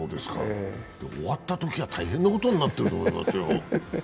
終わったときには大変なことになってると思いますよ。